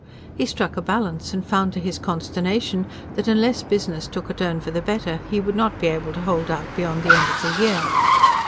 He struck a balance, and found to his consternation that, unless business took a turn for the better, he would not be able to hold out beyond the end of the year.